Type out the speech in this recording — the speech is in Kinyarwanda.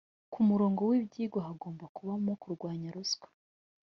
Ku murongo w’ ibyigwa hagomba kubamo kurwanya Ruswa